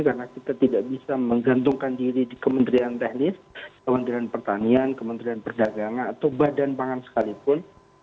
karena kita tidak bisa menggantungkan diri di kementerian teknis kementerian pertanian kementerian perdagangan atau badan pangan sekalipun